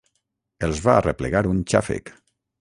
Els va arreplegar un xàfec.